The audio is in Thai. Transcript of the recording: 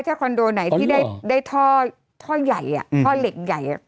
ถ้าคอนโดไหนที่ได้ท่อใหญ่ท่อเหล็กใหญ่